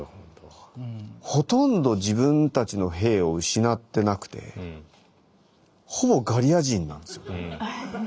ほとんど自分たちの兵を失ってなくてほぼガリア人なんですよ。